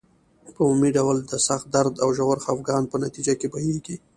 په عمومي ډول د سخت درد او ژور خپګان په نتیجه کې بهیږي.